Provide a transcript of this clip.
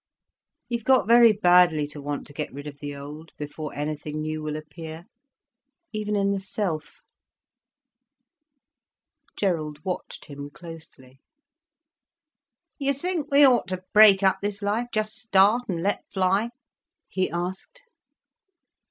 You've got very badly to want to get rid of the old, before anything new will appear—even in the self." Gerald watched him closely. "You think we ought to break up this life, just start and let fly?" he asked.